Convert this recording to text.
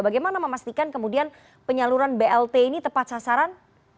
bagaimana memastikan kemudian penyaluran blt ini tepat sasaran